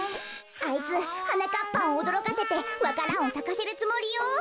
あいつはなかっぱんをおどろかせてわか蘭をさかせるつもりよ。